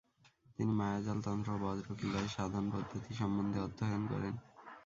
তিনি মায়াজালতন্ত্র ও বজ্রকীলয় সাধন পদ্ধতি সম্বন্ধে অধ্যয়ন করেন।